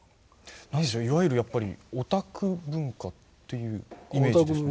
いわゆるやっぱりオタク文化というイメージですね。